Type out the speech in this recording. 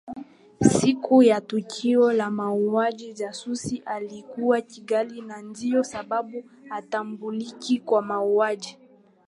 Siku ya tukio la mauaji jasusi alikuwa Kigali na ndio sababu hatambuliki kwa mauaji